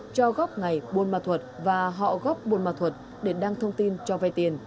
cho góp ngày bôn mạ thuật và họ góp bôn mạ thuật để đăng thông tin cho vai tiền